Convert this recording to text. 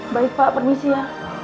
baik pak permisi ya